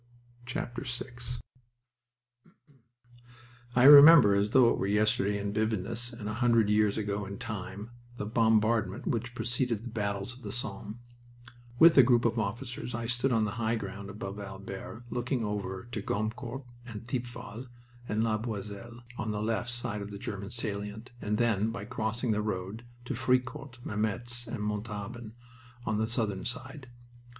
VI I remember, as though it were yesterday in vividness and a hundred years ago in time, the bombardment which preceded the battles of the Somme. With a group of officers I stood on the high ground above Albert, looking over to Gommecourt and Thiepval and La Boisselle, on the left side of the German salient, and then, by crossing the road, to Fricourt, Mametz, and Montauban on the southern side.